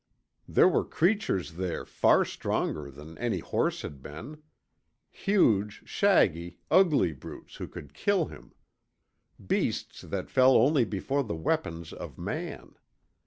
There were creatures there far stronger than any horse had been. Huge, shaggy, ugly brutes who could kill him. Beasts that fell only before the weapons of man.